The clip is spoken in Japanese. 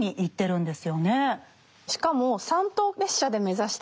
しかも三等列車で目指してて。